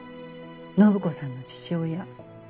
暢子さんの父親。